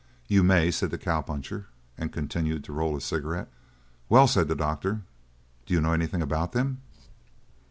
"You may," said the cowpuncher, and continued to roll his cigarette. "Well," said the doctor, "do you know anything about them?"